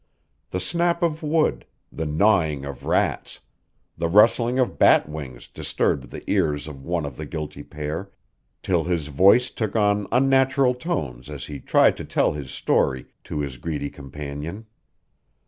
The snap of wood, the gnawing of rats, the rustling of bat wings disturbed the ears of one of the guilty pair, till his voice took on unnatural tones as he tried to tell his story to his greedy companion.